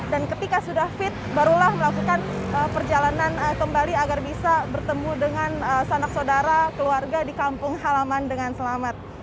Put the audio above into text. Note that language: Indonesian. dan ketika sudah fit barulah melakukan perjalanan kembali agar bisa bertemu dengan sanak saudara keluarga di kampung halaman dengan selamat